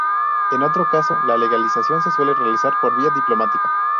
En otro caso, la legalización se suele realizar por vía diplomática.